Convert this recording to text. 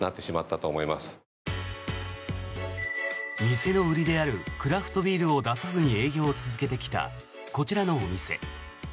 店の売りであるクラフトビールを出さずに営業を続けてきたこちらのお店。